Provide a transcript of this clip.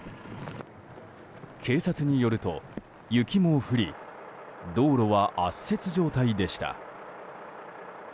警察によると、雪も降り道路は圧雪状態でした。